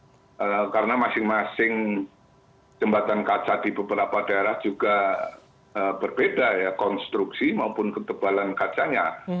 nah ini kan belum ada standar yang jelas karena masing masing jembatan kaca di beberapa daerah juga berbeda ya konstruksi maupun ketebalan kacanya